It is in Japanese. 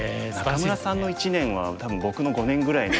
仲邑さんの１年は多分僕の５年ぐらいの。